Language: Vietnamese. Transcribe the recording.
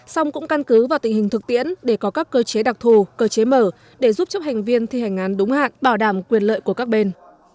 xong cũng căn cứ vào tình hình thực tiễn để có các cơ chế đặc thù cơ chế mở để giúp chấp hành viên thi hành án đúng hạn bảo đảm quyền lợi của các bên